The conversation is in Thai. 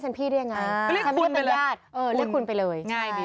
เป็นพี่ได้ยังไงถ้าไม่ได้เป็นญาติเรียกคุณไปเลย